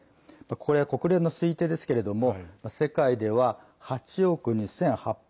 これは国連の推定ですけれども世界では８億２８００万人。